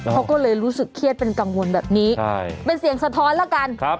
เขาก็เลยรู้สึกเครียดเป็นกังวลแบบนี้เป็นเสียงสะท้อนแล้วกันครับ